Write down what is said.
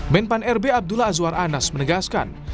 men pan rb abdullah azwar anas menegaskan